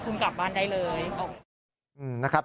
คุณกลับบ้านได้เลย